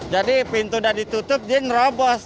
jadi pintu udah ditutup jadi nerobos